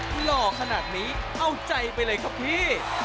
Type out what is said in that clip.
หล่อขนาดนี้เอาใจไปเลยครับพี่